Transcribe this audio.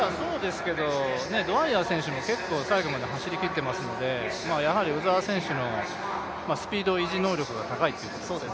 ドウァイヤー選手も最後まで走りきっていますのでやはり鵜澤選手のスピード維持能力が高いということですね。